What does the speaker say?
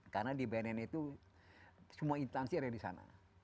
karena di bnn itu semua intansi ada di sana